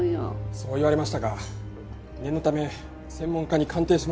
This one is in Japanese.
そう言われましたが念のため専門家に鑑定してもらいに行きました。